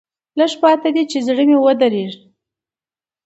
لېږ پاتې دي چې زړه مې ودري.